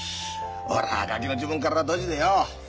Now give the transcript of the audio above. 俺はガキの時分からドジでよ。